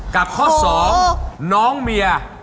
กับข้อ๒น้องเมีย